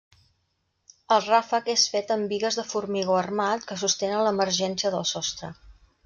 El ràfec és fet amb bigues de formigó armat que sostenen l’emergència del sostre.